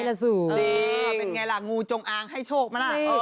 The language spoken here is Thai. เป็นไงล่ะงูจงอางให้โชคไหมล่ะ